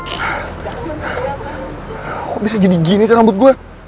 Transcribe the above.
kok bisa jadi gini sih rambut gue